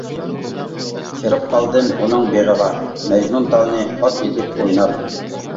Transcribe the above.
كىرىپ قالدىم ئۇنىڭ بېغىغا، مەجنۇنتالنى ئات ئېتىپ ئويناپ.